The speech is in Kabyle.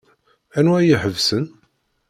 Anwa i iḥebsen?